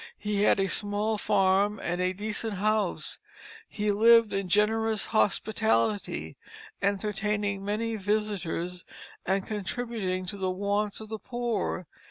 He had a small farm and a decent house; he lived in generous hospitality, entertaining many visitors and contributing to the wants of the poor.